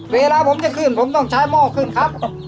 เวลาผมจะขึ้นผมต้องใช้หม้อขึ้นครับ